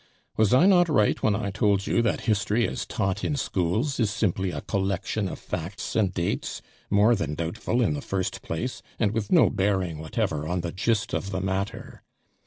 Was I not right when I told you that history as taught in schools is simply a collection of facts and dates, more than doubtful in the first place, and with no bearing whatever on the gist of the matter.